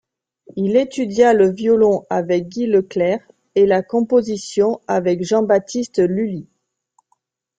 Il étudia le violon avec Guy Leclerc et la composition avec Jean-Baptiste Lully.